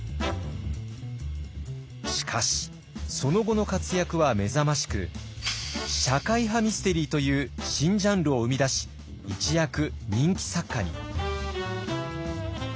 しかしその後の活躍は目覚ましく社会派ミステリーという新ジャンルを生み出し一躍人気作家に。